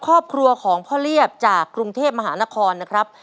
ครอบครัวของพ่อเลียบจากกรุงเทพมหานครนะครับ